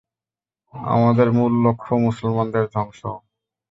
আমাদের মূল লক্ষ্য মুসলমানদের ধ্বংস।